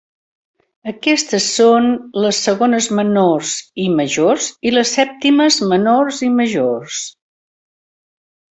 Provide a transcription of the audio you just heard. Aquests són les segones menors i majors i les sèptimes menors i majors.